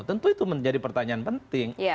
tentu itu menjadi pertanyaan penting